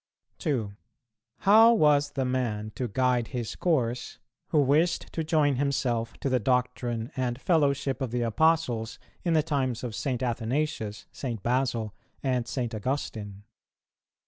2. How was the man to guide his course who wished to join himself to the doctrine and fellowship of the Apostles in the times of St. Athanasius, St. Basil, and St. Augustine?